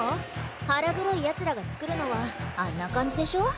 腹黒い奴らが造るのはあんな感じでしょ？